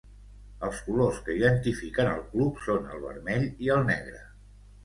Els colors que identifiquen el club són el vermell i el negre.